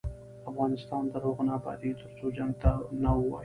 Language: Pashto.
افغانستان تر هغو نه ابادیږي، ترڅو جنګ ته نه ووایو.